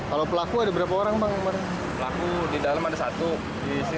yang satu ngawasin berarti